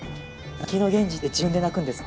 泣きの源次って自分で泣くんですか？